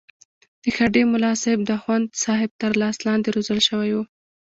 د هډې ملاصاحب د اخوندصاحب تر لاس لاندې روزل شوی وو.